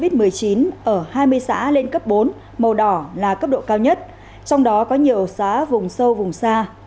bình phước đã nâng cấp độ dịch covid một mươi chín ở hai mươi xã lên cấp bốn màu đỏ là cấp độ cao nhất trong đó có nhiều xã vùng sâu vùng xa